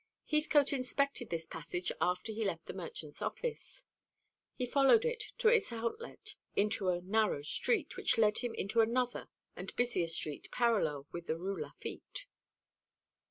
Heathcote inspected this passage after he left the merchant's office. He followed it to its outlet into a narrow street, which led him into another and busier street parallel with the Rue Lafitte.